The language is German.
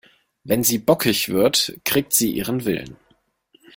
Wenn sie bockig wird, kriegt sie ihren Willen.